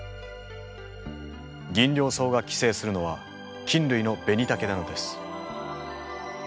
ギンリョウソウが寄生するのは菌類のベニタケなのです。